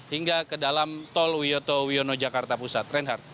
hingga ke dalam tol wiyoto wiono jakarta pusat reinhardt